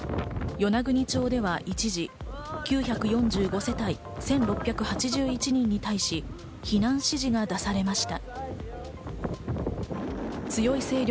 与那国町では一時、９４５世帯１６８１人に対し、避難指示が出されました。